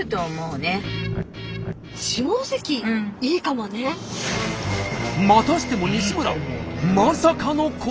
私ねまたしても西村まさかの行動に！